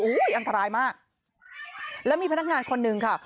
อันตรายมากแล้วมีพนักงานคนหนึ่งค่ะ